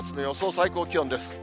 最高気温です。